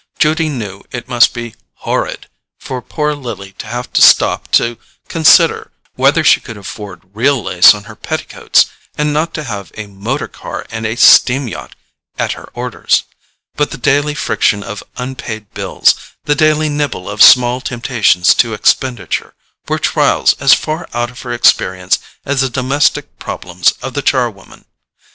Judy knew it must be "horrid" for poor Lily to have to stop to consider whether she could afford real lace on her petticoats, and not to have a motor car and a steam yacht at her orders; but the daily friction of unpaid bills, the daily nibble of small temptations to expenditure, were trials as far out of her experience as the domestic problems of the char woman.